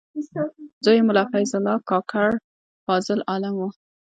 زوی یې ملا فیض الله کاکړ فاضل عالم و.